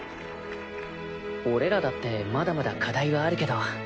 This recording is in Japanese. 俺らだってまだまだ課題はあるけど。